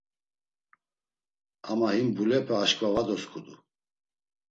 Ama him mbulepe aşǩva var dosǩudu.